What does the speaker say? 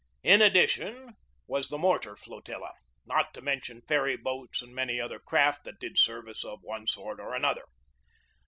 In addition was the mor tar flotilla, not to mention ferry boats and many other craft that did service of one sort or another.